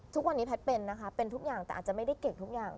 ทุกวันนี้แพทย์เป็นนะคะเป็นทุกอย่างแต่อาจจะไม่ได้เก่งทุกอย่าง